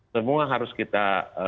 semua harus kita